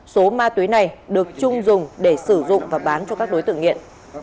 số ma túy này được trung dùng để sử dụng và bán cho các đối tượng nghiện